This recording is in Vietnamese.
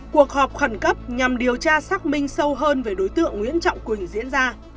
cuộc họp khẩn cấp nhằm điều tra xác minh sâu hơn về đối tượng nguyễn trọng quỳnh diễn ra